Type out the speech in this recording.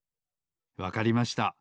わかりました。